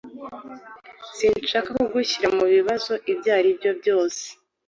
Sinshaka kugushyira mubibazo ibyo aribyo byose.